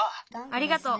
ありがとう。